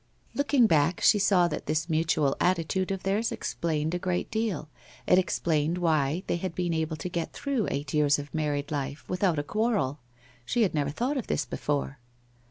Looking back she saw that this mutual attitude of theirs explained a great deal, it explained why they had been able to get through eight years of married life without a quarrel. She had never thought of this before.